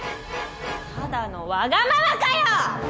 ただのわがままかよ！